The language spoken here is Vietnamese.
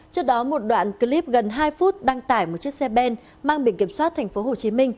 trước đó một đoạn clip gần hai phút đăng tải một chiếc xe ben mang biển kiểm soát tp hcm